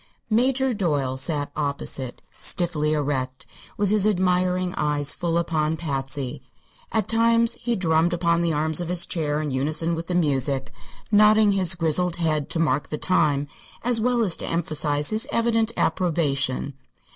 Major Doyle sat opposite, stiffly erect, with his admiring eyes full upon Patsy. At times he drummed upon the arms of his chair in unison with the music, nodding his grizzled head to mark the time as well as to emphasize his evident approbation.